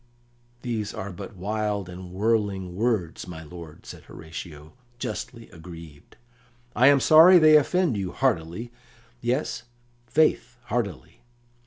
"These are but wild and whirling words, my lord," said Horatio, justly aggrieved. "I am sorry they offend you, heartily yes, faith, heartily!"